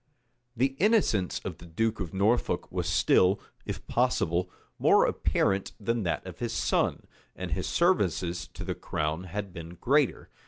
The innocence of the duke of Norfolk was still, if possible, more apparent than that of his son; and his services to the crown had been greater.